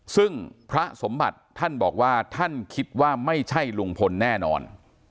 ซึ่งพระสมบัติท่านบอกว่าท่านคิดว่าไม่ใช่ลุงพลแน่นอน